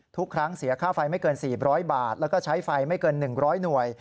ทุกครั้งเสียค่าไฟไม่เกิน๔๐๐บาทแล้วก็ใช้ไฟไม่เกิน๑๐๐หน่วย